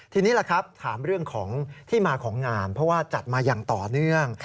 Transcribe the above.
ทีนี้ล่ะครับถามเรื่องของที่มาของงานเพราะว่าจัดมาอย่างต่อเนื่อง